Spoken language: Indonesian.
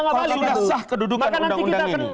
apa sudah sah kedudukan undang undang ini